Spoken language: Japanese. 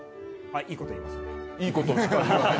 いいこと言いますね。